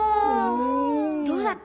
どうだった？